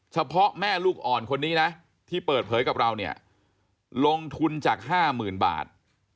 เฉพาะแม่ลูกอ่อนคนนี้นะที่เปิดเผยกับเราเนี่ยลงทุนจาก๕๐๐๐บาท